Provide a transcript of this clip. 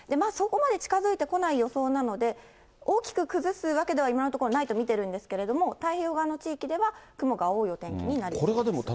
そこまで近づいてこない予想なので、大きく崩すわけでは今のところないと見てるんですけれども、太平洋側の地域では、雲が多いお天気になりそうです。